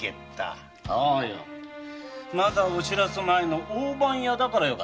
まだお白州前の大番屋だからよかった。